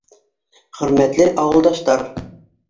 Хөрмәтле ауылдаштар!